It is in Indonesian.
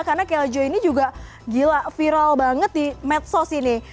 karena keljo ini juga gila viral banget di medsos ini